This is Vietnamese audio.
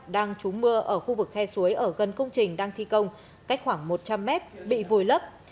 đang trúng mưa ở khu vực khe suối ở gần công trình đang thi công cách khoảng một trăm linh m bị vùi lớp